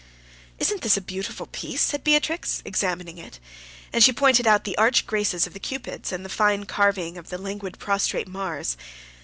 "Isn't this a beautiful piece?" says Beatrix, examining it, and she pointed out the arch graces of the Cupids, and the fine carving of the languid prostrate Mars.